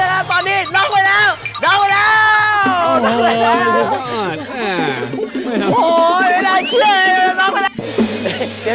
น้องไปแล้ว